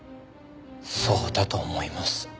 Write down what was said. そうだと思います。